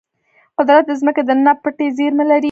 قدرت د ځمکې دننه پټې زیرمې لري.